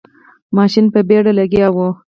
ماشین په بیړه لګیا و.